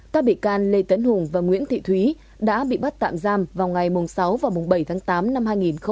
các bị can lê tấn hùng và nguyễn thị thúy đã bị bắt tạm giam vào ngày sáu và bảy tháng tám năm hai nghìn một mươi chín